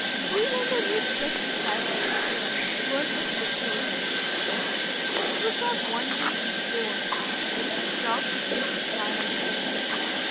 We learned a new trick in fly fishing here, worth disclosing. It was not one day in four that the trout would take the fly on the surface.